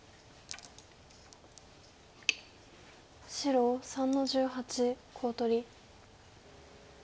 白３の十八コウ取り。